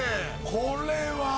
これは。